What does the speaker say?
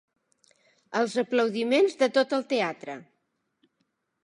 Els aplaudiments de tot el teatre.